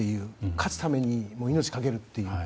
勝つために命を懸けるという。